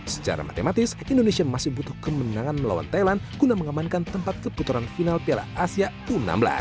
secara matematis indonesia masih butuh kemenangan melawan thailand guna mengamankan tempat keputaran final piala asia u enam belas